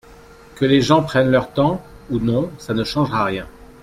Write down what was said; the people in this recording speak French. Que les gens prennent leur temps ou non ça ne changera rien.